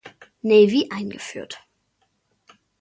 Navy eingeführt.